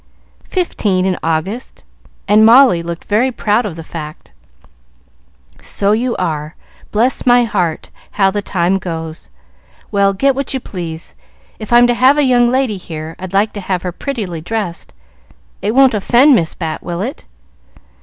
"Fifteen in August;" and Molly looked very proud of the fact. "So you are! Bless my heart, how the time goes! Well, get what you please; if I'm to have a young lady here, I'd like to have her prettily dressed. It won't offend Miss Bat, will it?"